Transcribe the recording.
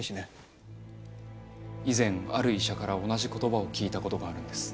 以前ある医者から同じ言葉を聞いたことがあるんです。